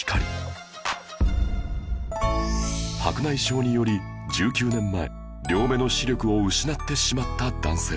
白内障により１９年前両目の視力を失ってしまった男性